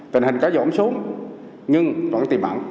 tình hình có dỗn xuống nhưng vẫn tìm ảnh